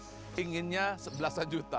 cukup inginnya sebelasan juta